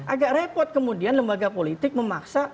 agak repot kemudian lembaga politik memaksa